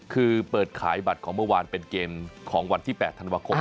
คือเปิดขายบัตรของเมื่อวานเป็นเกมของวันที่๘ธันวาคม